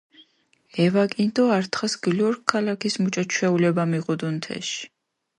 ევაკინი დო ართ დღას გილურქ ქალაქის მუჭო ჩვეულება მიღუდუნ თეში.